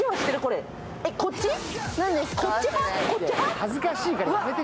恥ずかしいからやめて！